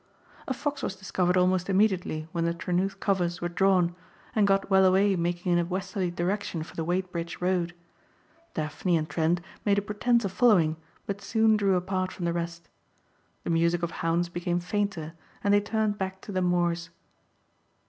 A fox was discovered almost immediately when the Trenewth covers were drawn and got well away making in a westerly direction for the Wadebridge road. Daphne and Trent made a pretense of following but soon drew apart from the rest. The music of hounds became fainter and they turned back to the moors.